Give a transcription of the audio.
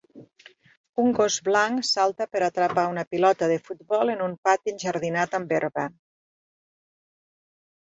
Un gos blanc salta per a atrapar una pilota de futbol en un pati enjardinat amb herba.